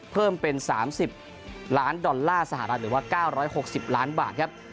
เพิ่มเป็น๓๐ล้านดอลลาร์สหรัฐหรือว่า๙๖๐ล้านบาทครับ